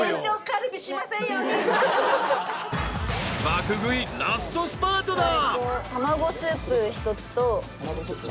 ［爆食いラストスパートだ］